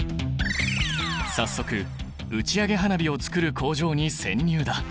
早速打ち上げ花火をつくる工場に潜入だ！